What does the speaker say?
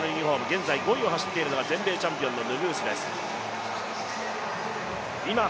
現在５位を走っているのが全米チャンピオンのヌグースです。